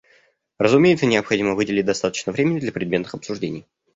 Разумеется, необходимо выделить достаточно времени для предметных обсуждений.